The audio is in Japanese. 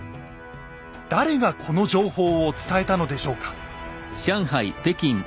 誰がこの情報を伝えたのでしょうか。